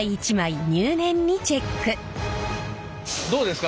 どうですか？